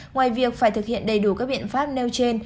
ngoài việc phải thực hiện đầy đủ các biện pháp nêu trên